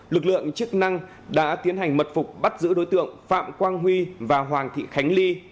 lực lượng chức năng đã tiến hành mật phục bắt giữ đối tượng phạm quang huy và hoàng thị khánh ly